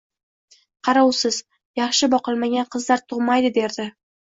Qarovsiz, yaxshi boqilmagan qizlar tugʻmaydi derdi.